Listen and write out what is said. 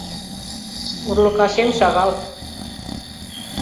— Урлыкашем шагал.